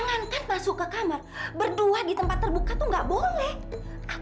nanti besok aku kesini lagi ya